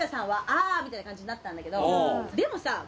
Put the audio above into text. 「ああ」みたいな感じになったんだけどでもさはあ？